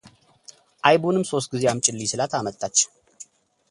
ዓይቡንም ሶስት ጊዜ አምጪልኝ ስላት አመጣች፡፡